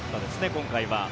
今回は。